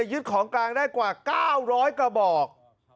ยึดของกลางได้กว่า๙๐๐กระบอก